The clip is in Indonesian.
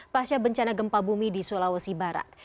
pasca bencana gempa bumi di sulawesi barat